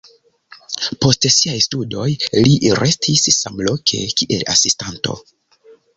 Post siaj studoj li restis samloke kiel asistanto.